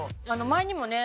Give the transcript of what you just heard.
前にもね